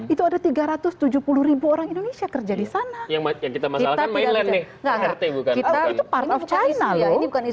itu ada tiga ratus tujuh puluh orang indonesia kerja di sana yang kita masalahkan mainnya nih rt bukan kita